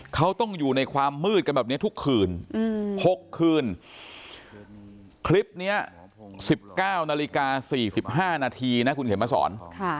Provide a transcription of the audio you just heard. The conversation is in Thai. เขาต้องอยู่ในความมืดกันแบบนี้ทุกคืน๖คืนคลิปนี้๑๙นาฬิกา๔๕นาทีนะคุณเข็มมาสอน